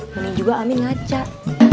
mending juga amin ngajak